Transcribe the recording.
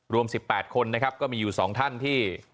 รวม๑๘คนนะครับก็มีอยู่๒ท่านที่